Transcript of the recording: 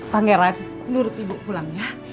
pangeran nurut ibu pulang ya